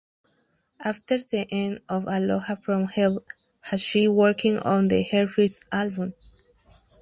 After the end of Aloha from Hell has she working on her first album.